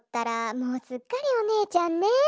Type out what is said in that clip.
もうすっかりおねえちゃんね。